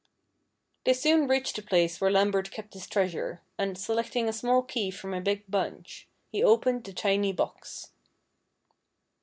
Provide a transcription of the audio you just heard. They soon reached the place where Lambert kept his treasure; and, selecting a small key from a big bunch, he opened the tiny box.